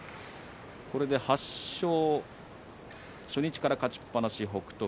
これで初日から勝ちっぱなしは北勝